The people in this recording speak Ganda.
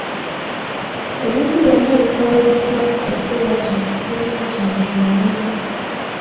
Ebintu byonna ebikoleddwa ekiseera kino sirina kye mbimanyiiko.